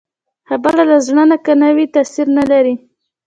خبره له زړه که نه وي، تاثیر نه لري